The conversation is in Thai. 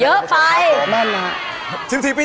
เยอะไป